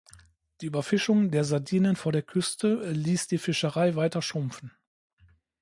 Die Überfischung der Sardinen vor der Küste ließ die Fischerei weiter schrumpfen.